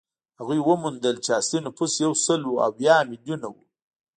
هغوی وموندل چې اصلي نفوس یو سل یو اویا میلیونه وو.